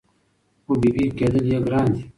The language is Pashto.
خو بېبي کېدل یې ګران دي